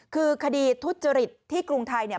คือคดีทุจริตที่กรุงไทย